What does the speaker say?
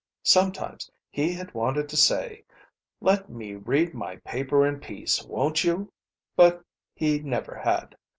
Sometimes he had wanted to say, "Let me read my paper in peace, won't you!" But he never had.